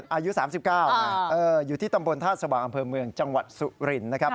อายุ๓๙อยู่ที่ตำบลท่าสว่างอำเภอเมืองจังหวัดสุรินนะครับ